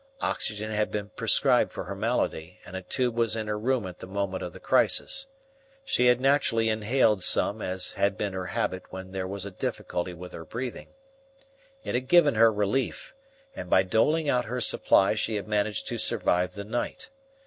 Oxygen had been prescribed for her malady, and a tube was in her room at the moment of the crisis. She had naturally inhaled some as had been her habit when there was a difficulty with her breathing. It had given her relief, and by doling out her supply she had managed to survive the night.